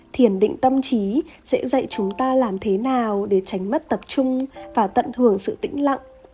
thiền định tâm trí sẽ dạy chúng ta làm thế nào để tránh mất tập trung và tận hưởng sự tĩnh lặng